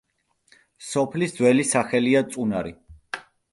სოფლის ძველი სახელია წუნარი.